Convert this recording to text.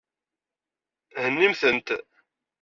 Hennimt-tent.